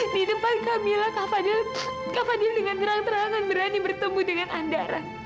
di tempat kamilah kak fadil dengan terang terangan berani bertemu dengan andara